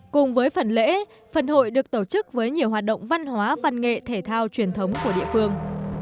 cùng với phần lễ phần hội được tổ chức với nhiều hoạt động văn hóa văn nghệ thể thao truyền thống của địa phương